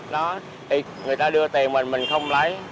người ta đưa tiền mình mình không lấy